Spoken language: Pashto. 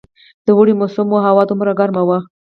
د اوړي موسم وو، هوا دومره ګرمه وه.